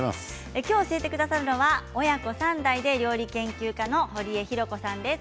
今日、教えてくださるのは親子３代で料理研究家の堀江ひろ子さんです。